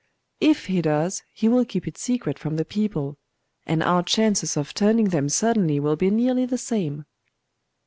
'If he does, he will keep it secret from the people; and our chances of turning them suddenly will be nearly the same.